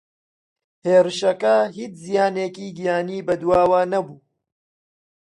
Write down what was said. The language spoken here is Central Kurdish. هێرشەکە هیچ زیانێکی گیانی بەدواوە نەبووە